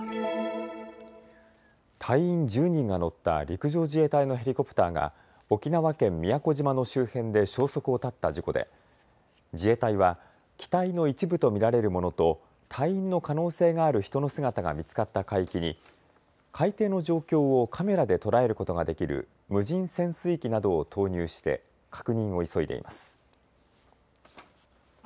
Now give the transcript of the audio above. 隊員１０人が乗った陸上自衛隊のヘリコプターが沖縄県宮古島の周辺で消息を絶った事故で自衛隊は機体の一部と見られるものと隊員の可能性がある人の姿が見つかった海域に海底の状況をカメラで捉えることができる無人潜水機などを投入して確認を急いでいます。